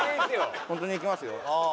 ホントにいきますよ。